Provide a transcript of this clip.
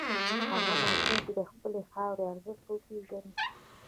هغه ماشوم چې د خپلې خاورې ارزښت وپېژني.